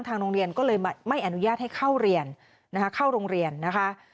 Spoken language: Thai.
ทางโรงเรียนก็เลยไม่อนุญาตให้เข้าโรงเรียนนะคะ